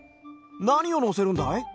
なにをのせるんだい？